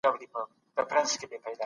سندرې د دماغ د نرموښت زیاتوالي لامل کېږي.